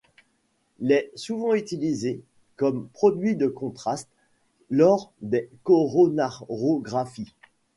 L' est souvent utilisé comme produit de contraste lors des coronarographies.